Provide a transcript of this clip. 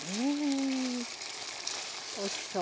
おいしそう！